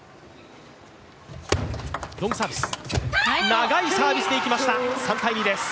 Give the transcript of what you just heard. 長いサービスでいきました、３−２です。